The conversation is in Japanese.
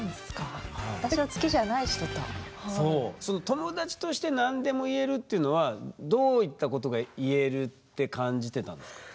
友達として何でも言えるっていうのはどういったことが言えるって感じてたんですか？